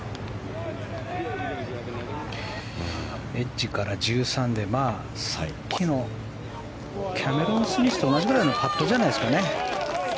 エッジから１３でさっきのキャメロン・スミスと同じぐらいのパットじゃないですかね。